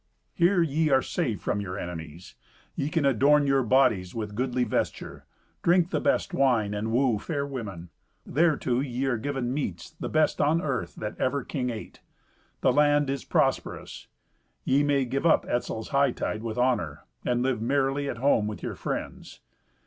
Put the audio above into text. Here ye are safe from your enemies. Ye can adorn your bodies with goodly vesture, drink the best wine, and woo fair women. Thereto, ye are given meats, the best on earth that ever king ate. The land is prosperous. Ye may give up Etzel's hightide with honour, and live merrily at home with your friends.